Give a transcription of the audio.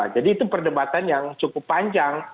jadi itu perdebatan yang cukup panjang